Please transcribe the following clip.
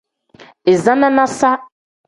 Iza nanasa.